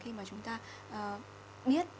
khi mà chúng ta biết